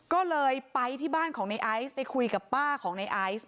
ก็เลยไปที่บ้านของในไอซ์ไปคุยกับป้าของในไอซ์